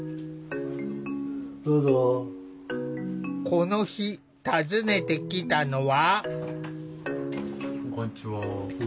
この日訪ねてきたのは。